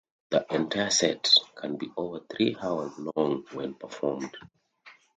The entire set can be over three hours long when performed.